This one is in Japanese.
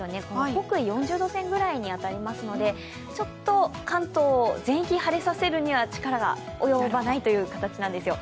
北緯４０度線ぐらいに当たりますので、関東全域を晴れさせるには力が及ばないという形なんですよ。